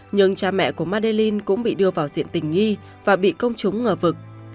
nhưng cha mẹ của madelin cũng bị đưa vào diện tình nghi và bị công chúng ngờ vực